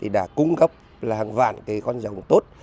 đã cung cấp là hàng vạn cái con dòng tốt